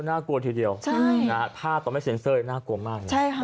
น่ากลัวทีเดียวภาพตอนไม่เซ็นเซอร์น่ากลัวมาก